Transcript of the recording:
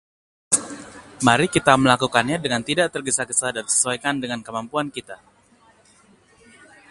Mari kita melakukannya dengan tidak tergesa-gesa dan sesuaikan dengan kemampuan kita.